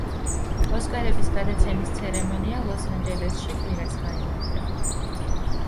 ოსკარების გადაცემის ცერემონია ლოს-ანჯელესში კვირას, გაიმართება.